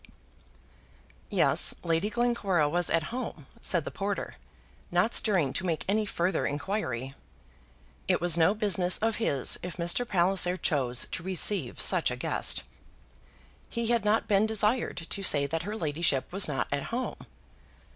"Yes; Lady Glencora was at home," said the porter, not stirring to make any further inquiry. It was no business of his if Mr. Palliser chose to receive such a guest. He had not been desired to say that her ladyship was not at home.